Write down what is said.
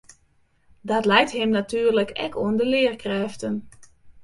Dat leit him natuerlik ek oan de learkrêften.